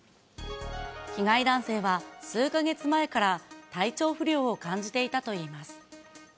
被害男性は、数か月前から体調不良を感じていたといいます。